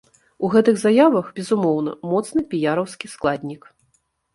У гэтых заявах, безумоўна, моцны піяраўскі складнік.